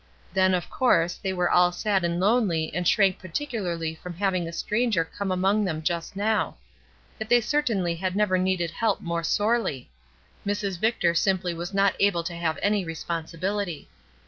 Then, of course, they were all sad and lonely and shrank peculiarly from having a stranger come among them just now; yet they certainly had never needed help more sorely ; Mrs. Victor simply was not able to have any responsibility.